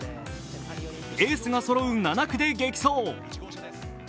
エースがそろう７区で激走。